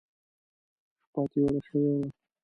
شپه تېره شوې وه.